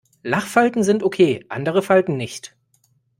Lachfalten sind okay, andere Falten nicht.